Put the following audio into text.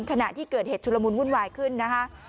ขณะที่เกิดเหตุชุลมุนวุ่นวายขึ้นนะคะ